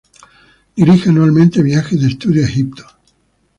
Dirige anualmente viajes de estudio a Egipto.